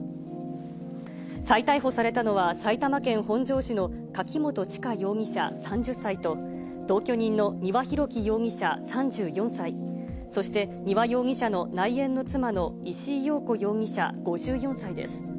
再逮捕されたのは、埼玉県本庄市の柿本知香容疑者３０歳と、同居人の丹羽洋樹容疑者３４歳、そして丹羽容疑者の内縁の妻の石井陽子容疑者５４歳です。